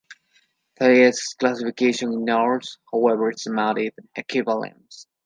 This classification ignores however semantic equivalences.